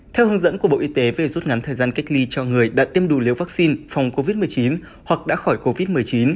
theo hướng dẫn của bộ y tế về rút ngắn thời gian cách ly cho người đã tiêm đủ liều vaccine phòng covid một mươi chín hoặc đã khỏi covid một mươi chín